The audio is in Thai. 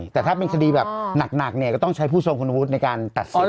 แต่ถ้าเป็นคดีแบบหนักเนี่ยก็ต้องใช้ผู้ทรงคุณวุฒิในการตัดสิน